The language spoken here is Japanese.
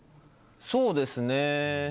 そうですね。